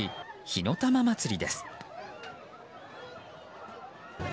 火の玉祭りです。